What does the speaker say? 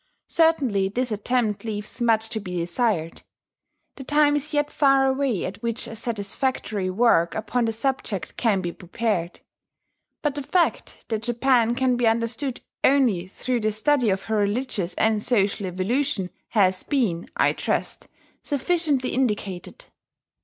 Certainly this attempt leaves much to be desired: the time is yet far away at which a satisfactory work upon the subject can be prepared. But the fact that Japan can be understood only through the study of her religious and social evolution has been, I trust, sufficiently indicated.